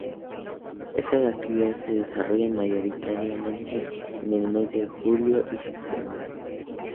Estas actividades se desarrollan mayoritariamente en el mes de julio y septiembre.